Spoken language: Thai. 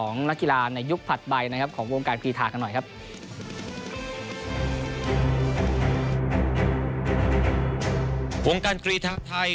ในราบราวที่๑